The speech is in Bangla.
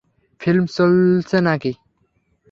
ফিল্ম চলছে নাকি?